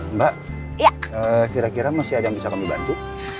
mbak kira kira masih ada yang bisa kami bantu